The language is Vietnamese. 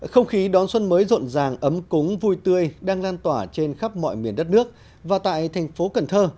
không khí đón xuân mới rộn ràng ấm cúng vui tươi đang lan tỏa trên khắp mọi miền đất nước và tại thành phố cần thơ